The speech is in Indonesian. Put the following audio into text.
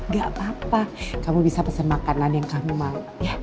gak apa apa kamu bisa pesan makanan yang kamu mau